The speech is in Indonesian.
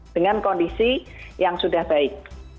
dengan kondisi yang sudah baik